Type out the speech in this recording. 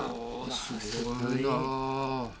すごいな。